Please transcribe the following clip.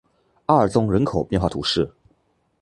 阿尔宗人口变化图示